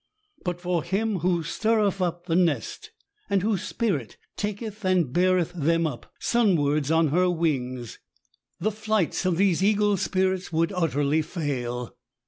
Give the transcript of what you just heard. But for Him who " stirreth up the nest," and whose spirit taketh and beareth them up" sunwards on her wings, the flights of i2 172 ESSAYS. these eagle spirits would utteriy fail.